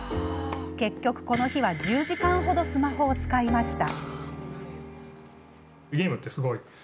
結局、この日は１０時間程スマホを使いました。